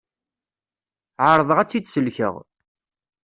Ԑerḍeɣ ad tt-id-sellkeɣ.